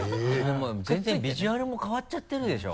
もう全然ビジュアルも変わっちゃってるでしょ？